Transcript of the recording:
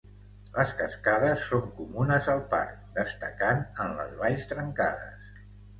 Les Cascades són comunes al parc, destacant en les valls trencades.